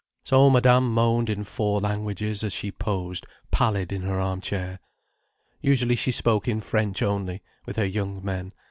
So Madame moaned in four languages as she posed pallid in her arm chair. Usually she spoke in French only, with her young men.